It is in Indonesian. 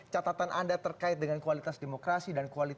catatan anda terkait dengan kualitas demokrasi